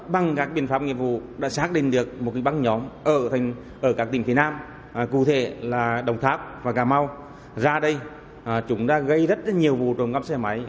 bằng các biện pháp nghiệp vụ đã xác định được một băng nhóm ở các tỉnh phía nam cụ thể là đồng tháp và cà mau ra đây chúng đã gây rất nhiều vụ trộm cắp xe máy